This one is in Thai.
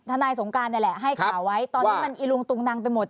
นายสงการนี่แหละให้ข่าวไว้ตอนนี้มันอิลุงตุงนังไปหมด